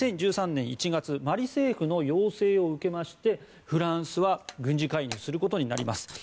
２０１３年１月マリ政府の要請を受けてフランスが軍事介入することになります。